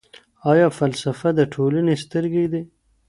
آیا فلسفه د ټولني سترګې دي؟